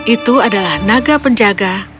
itu adalah naga penjaga